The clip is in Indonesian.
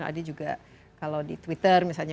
adi juga kalau di twitter misalnya